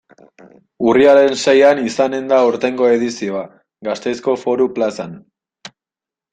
Urriaren seian izanen da aurtengo edizioa, Gasteizko Foru Plazan.